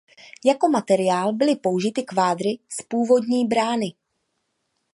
Jako materiál byly použity kvádry z původní brány.